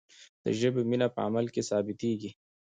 د ژبې مینه په عمل کې ثابتیږي.